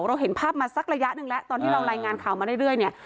เราเห็นภาพมาสักระยะหนึ่งแล้วตอนที่เรารายงานข่าวมาเรื่อยเนี่ย